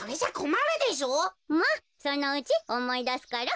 まっそのうちおもいだすから。